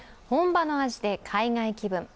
本場の味で海外気分